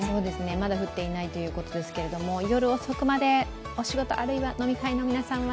まだ降っていないということですけれども、夜遅くまでお仕事、あるいは飲み会の皆さんは